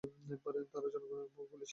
তারা জনগণের ওপর গুলি চালিয়েছে!